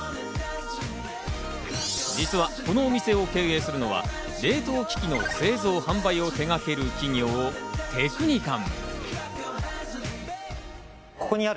実はこのお店を経営するのは冷凍機器の製造・販売を手がける企業テクニカン。